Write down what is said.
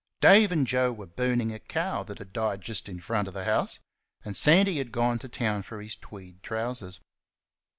Dave and Joe were burning a cow that had died just in front of the house, and Sandy had gone to town for his tweed trousers.